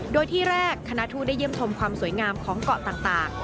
โดยที่แรกคณะทูตได้เยี่ยมชมความสวยงามของเกาะต่าง